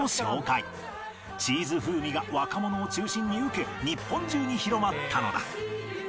チーズ風味が若者を中心に受け日本中に広まったのだ